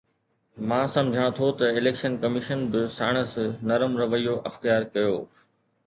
مان سمجهان ٿو ته اليڪشن ڪميشن به ساڻس نرم رويو اختيار ڪيو.